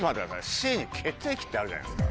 Ｃ血液ってあるじゃないですか。